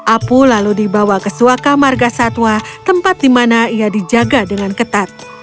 apu lalu dibawa ke suaka marga satwa tempat di mana ia dijaga dengan ketat